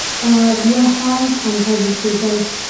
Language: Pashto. يا هم همغږي کېدل.